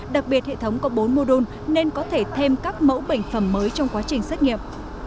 đặc biệt hệ thống có bốn mô đun nên có thể thêm các mẫu bệnh phẩm mới trong quá trình xét nghiệm